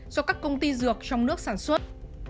do các công ty dược trong nước sản xuất